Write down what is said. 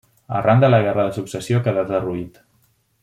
Arran de la guerra de successió quedà derruït.